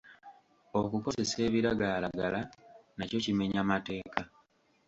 Okukozesa ebiragalalagala nakyo kimenya mateeka.